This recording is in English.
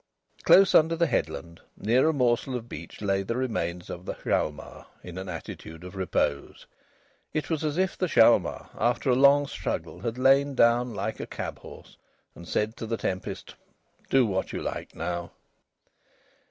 Close under the headland, near a morsel of beach lay the remains of the Hjalmar in an attitude of repose. It was as if the Hjalmar, after a long struggle, had lain down like a cab horse and said to the tempest: "Do what you like now!"